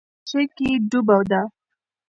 هغه لا هم په خاموشۍ کې ډوبه ده.